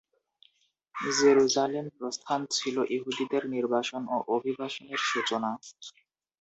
Jerusalem প্রস্থান ছিলো ইহুদিদের নির্বাসন ও অভিবাসনের সূচনা।